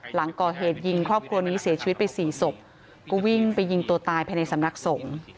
หลังก่อเหตุยิงครอบครัวนี้เสียชีวิตไปสี่ศพก็วิ่งไปยิงตัวตายภายในสำนักสงฆ์